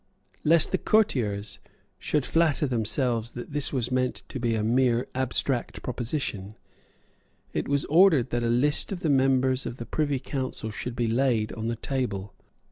Lest the courtiers should flatter themselves that this was meant to be a mere abstract proposition, it was ordered that a list of the members of the Privy Council should be laid on the table.